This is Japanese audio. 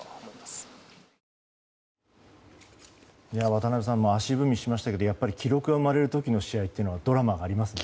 渡辺さん足踏みしましたけどやっぱり記録が生まれる時の試合ってドラマがありますね。